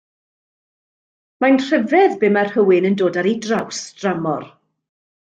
Mae'n rhyfedd be ma' rhywun yn dod ar ei draws dramor.